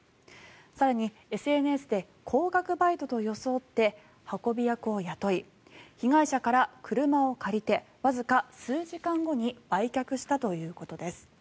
更に、ＳＮＳで高額バイトと装って運び役を雇い被害者から車を借りてわずか数時間後に売却したということです。